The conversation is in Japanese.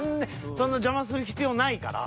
そんな邪魔する必要ないから。